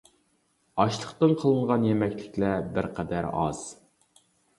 ئاشلىقتىن قىلىنغان يېمەكلىكلەر بىر قەدەر ئاز.